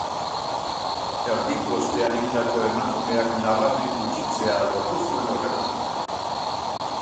Erditu ostean hildako emakumeak nabarmen gutxitzea lortu zuen horrela.